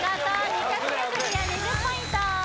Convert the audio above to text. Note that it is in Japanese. ２曲目クリア２０ポイント